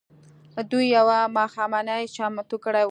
دوی يوه ماښامنۍ چمتو کړې وه.